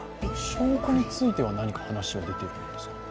証拠については何か話が出ているんですか？